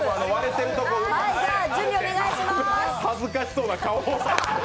恥ずかしそうな顔。